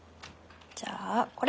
じゃあこれ！